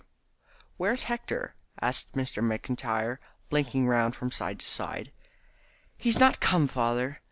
"Why, where's Hector?" asked Mr. McIntyre, blinking round from side to side. "He's not come, father.